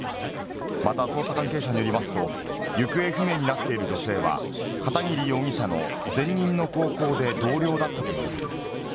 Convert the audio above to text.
また捜査関係者によりますと、行方不明になっている女性は片桐容疑者の前任の高校で同僚だったということです。